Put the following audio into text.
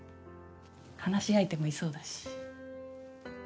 話し相手もいそうだし。